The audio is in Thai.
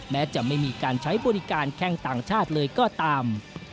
แม้จะไม่มีการใช้บริการแข่งต่างชาติเลยก็ตาม